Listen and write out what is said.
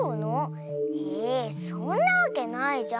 えそんなわけないじゃん。